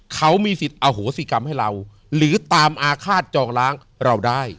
เขามีสิทธิ์อโหสิกรรมให้เราหรือตามอาฆาตจองล้างเราได้